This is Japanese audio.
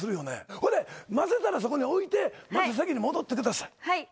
それで、混ぜたらそこに置いて、席に戻ってください。